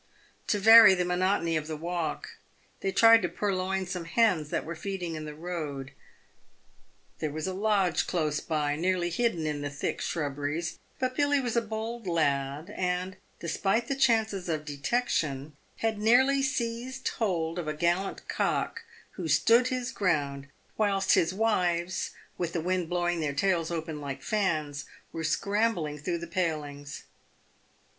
To vary the monotony of the walk, they tried to purloin some hens that were feeding in the road. There was a lodge close by, nearly hidden in the thick shrubberies, but Billy was a bold lad, and, despite the chances of detection, had nearly seized hold of a gallant cock who stood hi3 ground, whilst his wives, with the wind blowing their tails open like fans, were scrambling through the palings.